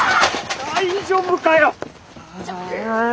大丈夫かよ！？